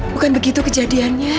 bukan begitu kejadiannya